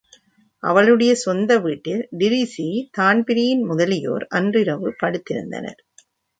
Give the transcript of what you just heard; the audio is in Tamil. அவளுடைய சொந்த வீட்டி வீட்டில்ன் டிரீஸி, தான்பிரீன் முதலியோர் அன்றிரவு படுத்திருந்தனர்.